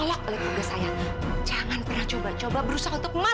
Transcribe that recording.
lupakan soal jadi dianda ma